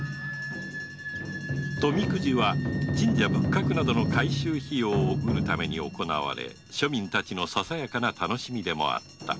富籤は神社仏閣などの改修費用を得るために行われ庶民たちのささやかな楽しみでもあった